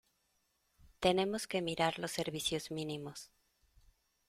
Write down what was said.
Tenemos que mirar los servicios mínimos.